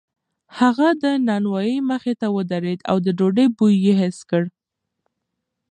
هغه د نانوایۍ مخې ته ودرېد او د ډوډۍ بوی یې حس کړ.